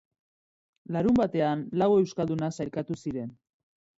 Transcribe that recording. Larunbatean lau euskaldunak sailkatu ziren.